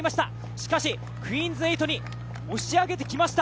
しかし、クイーンズ８に押し上げてきました。